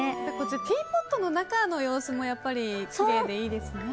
ティーポットの中の様子もきれいでいいですね。